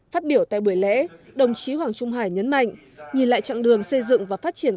phát biểu tại buổi lễ đồng chí hoàng trung hải nhấn mạnh nhìn lại chặng đường xây dựng và phát triển